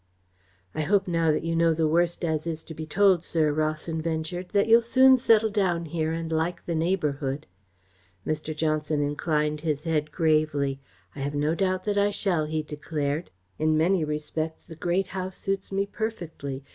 "I hope now that you know the worst as is to be told, sir," Rawson ventured, "that you'll soon settle down here and like the neighbourhood." Mr. Johnson inclined his head gravely. "I have no doubt that I shall," he declared. "In many respects the Great House suits me perfectly.